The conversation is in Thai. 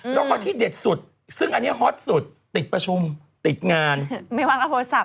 แล้วก็ที่เหดธุ์สุดสึ่งอันนี้ฮอตสุดติดประชุมติดงานไม่ว่างแล้วโทษฟัส